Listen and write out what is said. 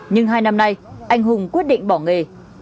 nhưng hai năm nay anh hùng quyết định bỏ nghề